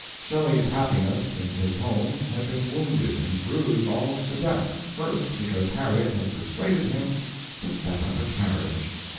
Shelley's happiness in his home had been wounded and bruised almost to death, first, because Harriet had persuaded him to set up a carriage.